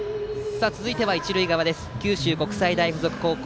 続いては一塁側九州国際大付属高校。